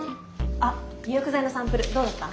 あっ入浴剤のサンプルどうだった？